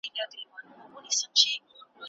آیا ستا ښوونځی کمپیوټر لېب لري؟